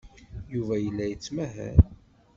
Yuba yella yettmahal.